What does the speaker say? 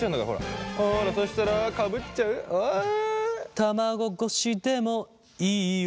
卵越しでもいい男。